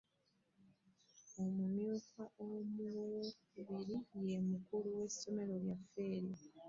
Omumyuka owookubiri ye mukulu w'essomero lyaffe eryo.